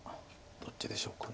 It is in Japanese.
どっちでしょうか。